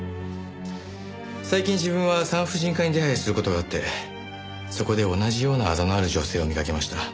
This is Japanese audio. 最近自分は産婦人科に出入りする事があってそこで同じようなアザのある女性を見かけました。